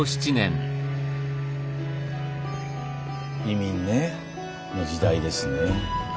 移民ねの時代ですね。